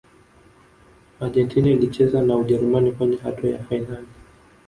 argentina ilicheza na ujerumani kwenye hatua ya fainali